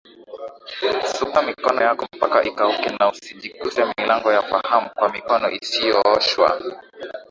Sugua mikono yako mpaka ikauke na usijiguse milango ya faham kwa mikono isiyooshwa